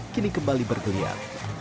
kini kembali bergeliat